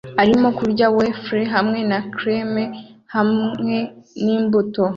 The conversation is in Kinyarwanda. arimo kurya wafle hamwe na cream hamwe nimbuto